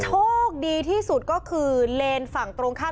โชคดีที่สุดก็คือเลนส์ฝั่งตรงข้าม